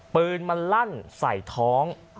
ปืนมันลั่นใส่ท้อง